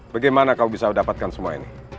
bagaimana kamu bisa mendapatkan semua ini